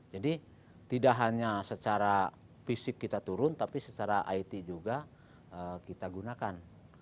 jadi tidak hanya secara fisik kita turun tapi secara it juga kita gunakan